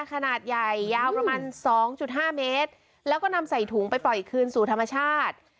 ขนาดใหญ่ยาวประมาณ๒๕เมตรแล้วก็นำใส่ถุงไปปล่อยคืนสู่ธรรมชาติ